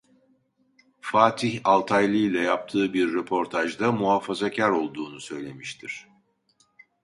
Fatih Altaylı'yla yaptığı bir röportajda muhafazakâr olduğunu söylemiştir.